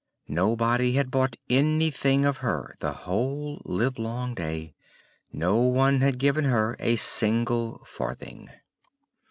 Nobody had bought anything of her the whole livelong day; no one had given her a single farthing.